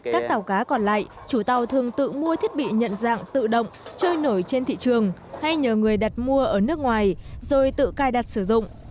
các tàu cá còn lại chủ tàu thường tự mua thiết bị nhận dạng tự động trôi nổi trên thị trường hay nhờ người đặt mua ở nước ngoài rồi tự cài đặt sử dụng